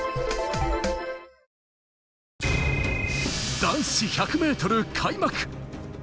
男子１００ｍ開幕。